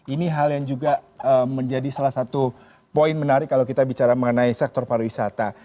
ini hal yang juga menjadi salah satu poin menarik kalau kita bicara mengenai sektor pariwisata